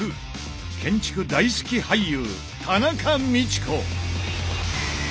建築大好き俳優田中道子！